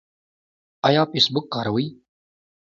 ایا فیسبوک کاروئ؟